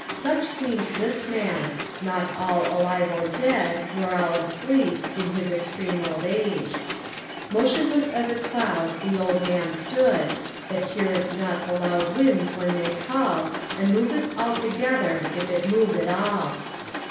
Such seemed this Man; not all alive or dead Nor all asleep, in his extreme old age. Motionless as a cloud the old Man stood, That heareth not the loud winds when they call, And moveth altogether if it move at all.